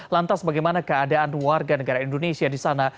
lantas bagaimana keadaan warga negara indonesia di sana